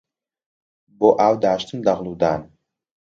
بۆ ئاو داشتن دەغڵ و دان